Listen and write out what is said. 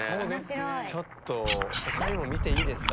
ちょっと他にも見ていいですか。